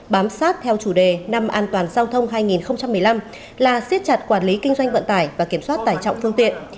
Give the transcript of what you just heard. bám sát theo chủ đề năm an toàn giao thông hai nghìn một mươi năm là siết chặt quản lý kinh doanh vận tải và kiểm soát tải trọng phương tiện